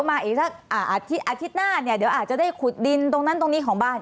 อาทิตย์หน้าอาจจะได้ขุดดินตรงนี้ตรงนั้นของบ้าน